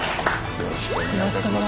よろしくお願いします。